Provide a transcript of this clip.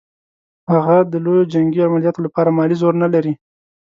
هغه د لویو جنګي عملیاتو لپاره مالي زور نه لري.